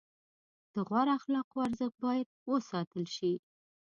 د غوره اخلاقو ارزښت باید وساتل شي.